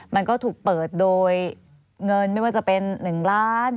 มันก็ถูกเปิดโดยเงินไม่ว่าจะเป็น๑ล้าน